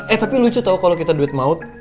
eh tapi lucu tau kalo kita duet maut